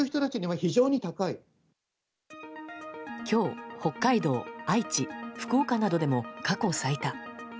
今日、北海道、愛知福岡などでも過去最多。